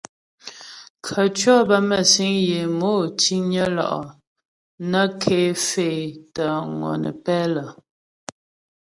Khətʉɔ̌ bə mə́sîŋ yə é mò ciŋnyə lo'o nə́ ké faə́ é tə́ ŋɔnə́pɛ lə.